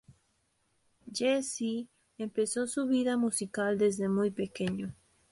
Jesse empezó su su vida musical desde muy pequeño.